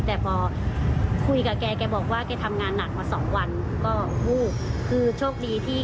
แต่พอคุยกับแกแกบอกว่าแกทำงานหนักมาสองวันก็วูบคือโชคดีที่